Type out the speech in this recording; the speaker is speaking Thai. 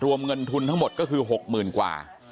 รวมเงินทุนทั้งหมดก็คือหกหมื่นกว่า